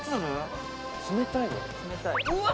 冷たい？